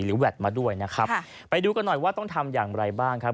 แวดมาด้วยนะครับไปดูกันหน่อยว่าต้องทำอย่างไรบ้างครับ